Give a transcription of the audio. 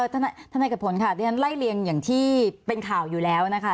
ท่านนายกระโผนค่ะดังนั้นไล่เลียงอย่างที่เป็นข่าวอยู่แล้วนะคะ